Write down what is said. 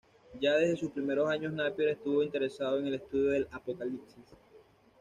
Ya desde sus primeros años Napier estuvo interesado en el estudio del Apocalipsis.